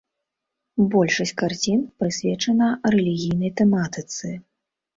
Большасць карцін прысвечана рэлігійнай тэматыцы.